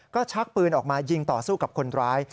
ก็ชักปืนออกมายิงต่อสู้กับคนร้าย